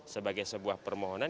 sebagai sebuah permohonan